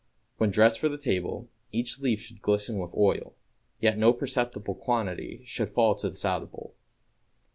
When dressed for the table, each leaf should glisten with oil, yet no perceptible quantity should fall to the salad bowl.